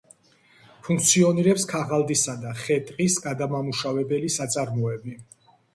ფუნქციონირებს ქაღალდისა და ხე-ტყის გადამამუშავებელი საწარმოები.